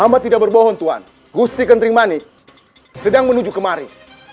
mohon tuhan gusti kentrim manik sedang menuju kemari